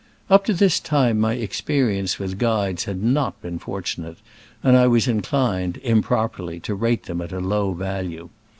Up to this time my experience with guides had not been fortunate, and I was inclined, improperly, to rate them at a low value.